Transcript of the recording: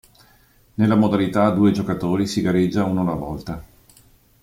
Nella modalità a due giocatori si gareggia uno alla volta.